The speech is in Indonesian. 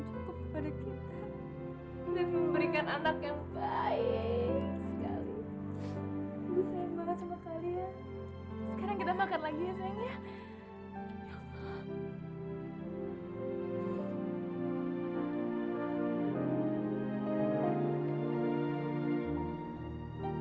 cukup kepada kita dan memberikan anak yang baik sekali sekarang kita makan lagi ya sayangnya